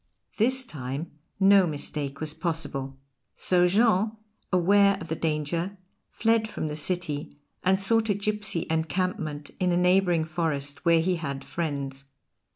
This time no mistake was possible. So Jean, aware of the danger, fled from the city and sought a gipsy encampment in a neighbouring forest, where he had friends.